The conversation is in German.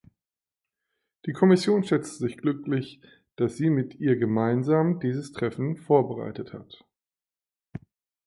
Die Kommission schätzt sich glücklich, dass sie mit ihr gemeinsam dieses Treffen vorbereitet hat.